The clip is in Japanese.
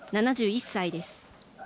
７１歳です。